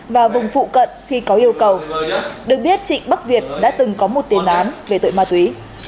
và vùng phụ cận khi có yêu cầu được biết trịnh bắc việt đã từng có một tiền án về tội ma túy